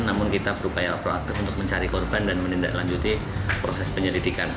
namun kita berupaya proaktif untuk mencari korban dan menindaklanjuti proses penyelidikan